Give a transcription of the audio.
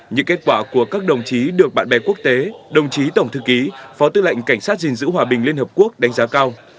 những kết quả của các đồng chí được bạn bè quốc tế đồng chí tổng thư ký phó tư lệnh cảnh sát gìn giữ hòa bình liên hợp quốc đánh giá cao